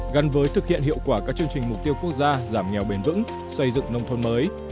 gắn với thực hiện hiệu quả các chương trình mục tiêu quốc gia giảm nghèo bền vững xây dựng nông thôn mới